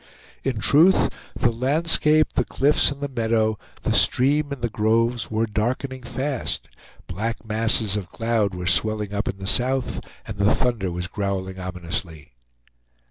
In truth, the landscape, the cliffs and the meadow, the stream and the groves were darkening fast. Black masses of cloud were swelling up in the south, and the thunder was growling ominously.